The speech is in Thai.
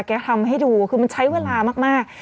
ทำให้ดูคือมันใช้เวลามาก